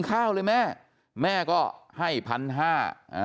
ข้าวเลยแม่แม่ก็ให้พันห้าอ่า